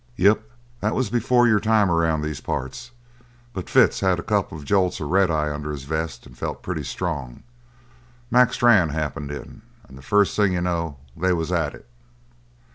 "Yep, that was before your time around these parts. But Fitz had a couple of jolts of red eye under his vest and felt pretty strong. Mac Strann happened in and first thing you know they was at it.